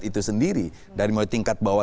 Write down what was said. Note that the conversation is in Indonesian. itu sendiri dari mulai tingkat bawah